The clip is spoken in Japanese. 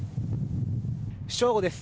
正午です。